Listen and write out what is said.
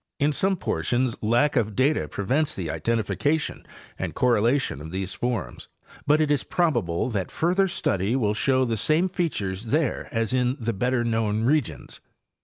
In. some portions lack of data prevents the identification and correlation of these forms, but it is probable that further study will show the same features there as in the better known regions.